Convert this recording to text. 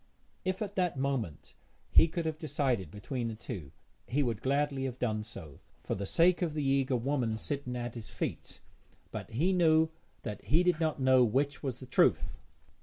If at that moment he could have decided between the two he would gladly have done so, for the sake of the eager woman sitting at his feet, but he knew that he did not know which was the truth.